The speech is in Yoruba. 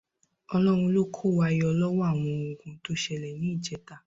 Ọlọ́run ló kó wa yọ lọ́wọ́ àwọn ogun tó ṣẹlẹ̀ ní ìjẹta